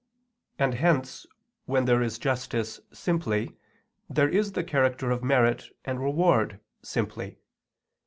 And hence where there is justice simply, there is the character of merit and reward simply.